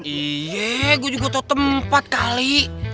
iya gue juga butuh tempat kali